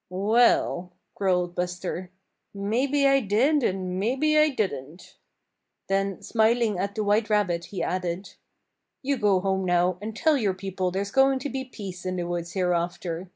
"Well," growled Buster, "maybe I did and maybe I didn't." Then smiling at the white rabbit he added: "You go home now and tell your people there's going to be peace in the woods hereafter.